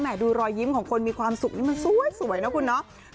ดูรอยยิ้มของคนมีความสุขนี่มันสวยนะคุณเนาะ